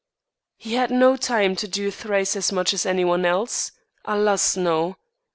He had no time to do "thrice as much as anyone else," alas no!